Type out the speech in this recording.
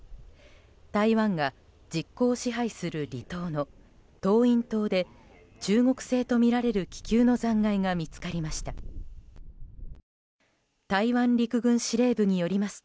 台湾が実効支配する離島の東引島で中国製とみられる気球の残骸が見つかりました。